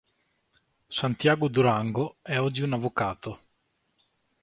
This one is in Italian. Santiago Durango è oggi un avvocato.